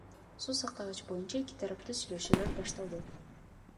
Суу сактагыч боюнча эки тараптуу сүйлөшүүлөр башталды.